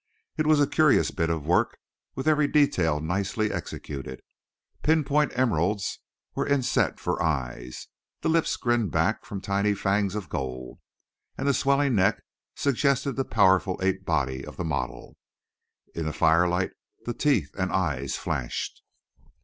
It was a curious bit of work, with every detail nicely executed; pinpoint emeralds were inset for eyes, the lips grinned back from tiny fangs of gold, and the swelling neck suggested the powerful ape body of the model. In the firelight the teeth and eyes flashed.